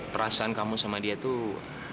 perasaan kamu sama dia tuh